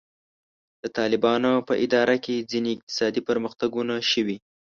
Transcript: د طالبانو په اداره کې ځینې اقتصادي پرمختګونه شوي.